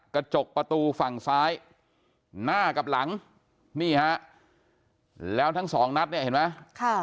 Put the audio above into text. กระจกประตูฝั่งซ้ายหน้ากับหลังนี่ฮะแล้วทั้งสองนัดเนี่ยเห็นไหมค่ะ